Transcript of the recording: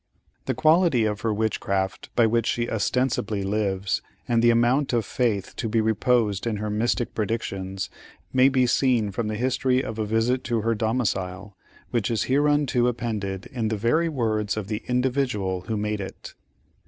The quality of her Witchcraft, by which she ostensibly lives, and the amount of faith to be reposed in her mystic predictions, may be seen from the history of a visit to her domicile, which is hereunto appended in the very words of the "Individual" who made it.